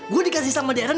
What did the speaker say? gua dikasih sama darren